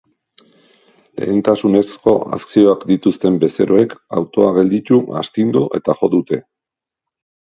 Lehentasunezko akzioak dituzten bezeroek autoa gelditu, astindu eta jo dute.